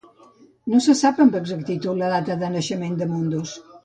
No se sap amb exactitud la data de naixement de Mundus.